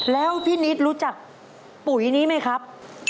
แล้วพี่นิดรู้จักปุ๋ยนี้ไหมครับ